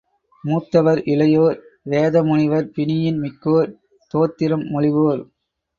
மூத்தவர், இளையோர், வேத முனிவர், பிணியின் மிக்கோர், தோத்திரம் மொழிவோர்.